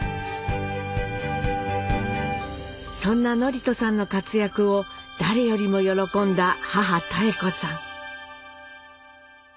そんな智人さんの活躍を誰よりも喜んだ母・妙子さん。